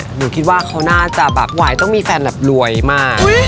หนูคิดว่าเขาน่าจะแบบไหวต้องมีแฟนแบบรวยมาก